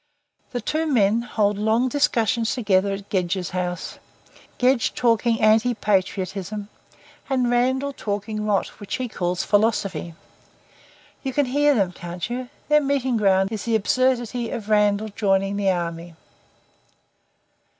The two men hold long discussions together at Gedge's house, Gedge talking anti patriotism and Randall talking rot which he calls philosophy. You can hear them, can't you? Their meeting ground is the absurdity of Randall joining the army."